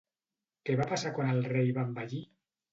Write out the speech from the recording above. Què va passar quan el rei va envellir?